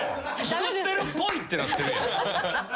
作ってるっぽいってなってるやん。